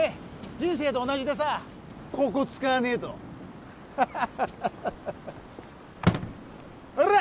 人生と同じでさここ使わねえとほらっ